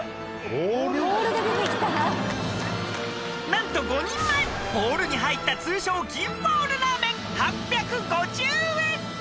［何と５人前ボウルに入った通称銀ボウルラーメン８５０円］